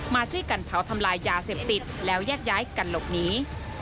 มาช่วยกันเผาทำลายยาเสพติดแล้วแยกย้ายกันหลบหนี